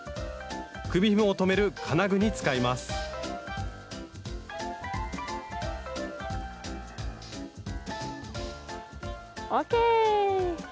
首ひもを留める金具に使いますＯＫ！